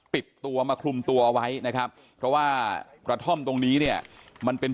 เพราะว่ากระท่อมตรงนี้เนี่ยมันเป็น